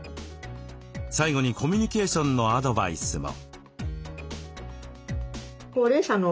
最後にコミュニケーションのアドバイスも。